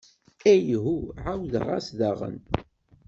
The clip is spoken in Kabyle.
Ayhuh, εawdeɣ-as daɣen!